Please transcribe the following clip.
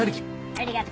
ありがとう。